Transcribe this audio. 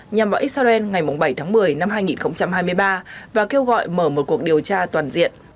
nhằm vào israel ngày bảy tháng một mươi năm hai nghìn hai mươi ba và kêu gọi mở một cuộc điều tra toàn diện